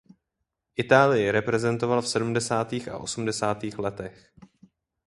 Itálii reprezentoval v sedmdesátých a osmdesátých letech.